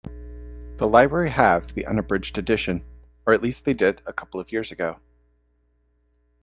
The library have the unabridged edition, or at least they did a couple of years ago.